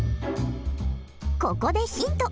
ここでヒント。